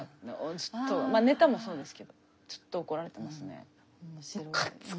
ずっとまぁネタもそうですけどずっと怒られてますね。